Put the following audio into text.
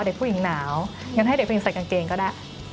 เด็กผู้หญิงหนาวงั้นให้เด็กผู้หญิงใส่กางเกงก็ได้